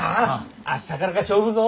明日からが勝負ぞ！